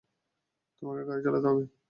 তোমাকে গাড়ি চালাতে হবে।